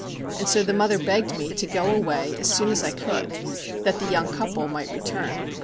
And so the mother begged me to go away as soon as I could, that the young couple might return.